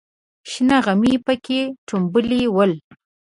شنه غمي پکې ټومبلې ول.